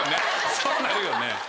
そうなるよね。